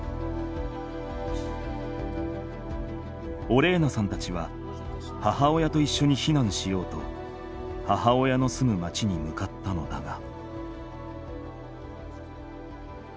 オレーナさんたちは母親といっしょに避難しようと母親の住む町に向かったのだが。